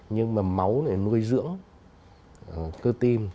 nhưng mà máu này nuôi dưỡng cơ tim